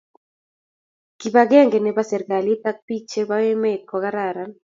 kibagenge ne bo serikalit and biko che bo emet ko kararan